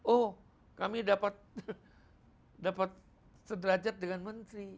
oh kami dapat sederajat dengan menteri